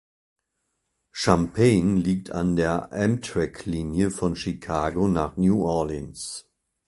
Champaign liegt an der Amtrak-Linie von Chicago nach New Orleans.